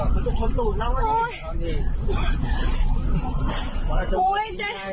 บอกแล้วไง